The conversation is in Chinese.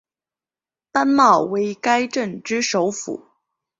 班茂为该镇之首府。